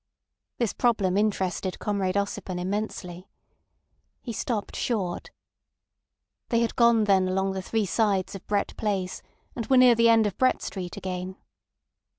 This problem interested Comrade Ossipon immensely. He stopped short. They had gone then along the three sides of Brett Place, and were near the end of Brett Street again.